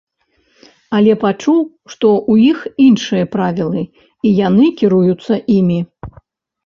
Але пачуў, што ў іх іншыя правілы і яны кіруюцца імі.